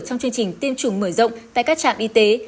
trong chương trình tiêm chủng mở rộng tại các trạm y tế